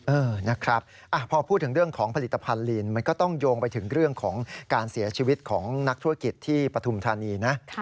เออนะครับพอพูดถึงเรื่องของผลิตภัณฑ์ลีนมันก็ต้องโยงไปถึงเรื่องของการเสียชีวิตของนักธุรกิจที่ปฐุมธานีนะ